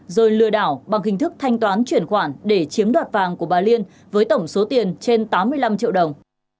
rồi lừa đảo bằng hình thức thanh toán chuyển khoản để chiếm đoạt vàng của bà liên với tổng số tiền trên tám mươi năm triệu đồng